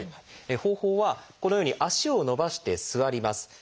方法はこのように足を伸ばして座ります。